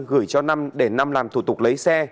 gửi cho năm để năm làm thủ tục lấy xe